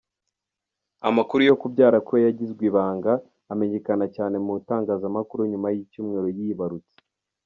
Amakuru yo kubyara kwe yagizwe ibanga, amenyekana cyane mu itagazamakuru nyuma y'icyumweru yibarutse.